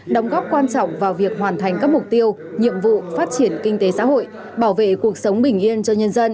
đóng góp quan trọng vào việc hoàn thành các mục tiêu nhiệm vụ phát triển kinh tế xã hội bảo vệ cuộc sống bình yên cho nhân dân